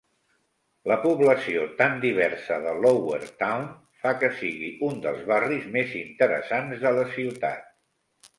La població tan diversa de Lowertown fa que sigui un dels barris més interessants de la ciutat.